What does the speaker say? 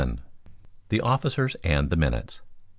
VII. The Officers and the Minutes.